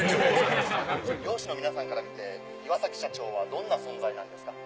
・ハハハ・漁師の皆さんから見て岩崎社長はどんな存在なんですか？